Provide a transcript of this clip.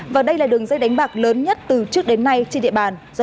và đây là đường dây đánh bạc lớn nhất từ trước đến nay trên địa bàn